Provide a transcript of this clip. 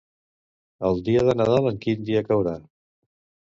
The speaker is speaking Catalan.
El dia de Nadal en quin dia caurà?